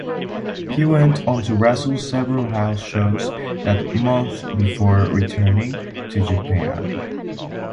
He went on to wrestle several house shows that month before returning to Japan.